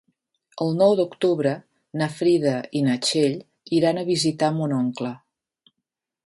El nou d'octubre na Frida i na Txell iran a visitar mon oncle.